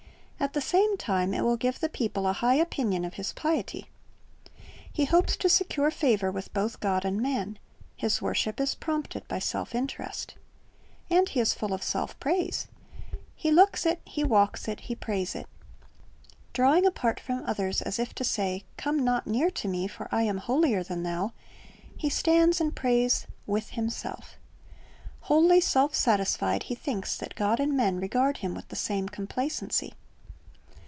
At the same time it will give the people a high opinion of his piety. He hopes to secure favor with both God and man. His worship is prompted by self interest. And he is full of self praise. He looks it, he walks it, he prays it. Drawing apart from others as if to say, "Come not near to me; for I am holier than thou,"^ he stands and prays "with himself" Wholly self satisfied, he thinks that God and men regard him with the same complacency.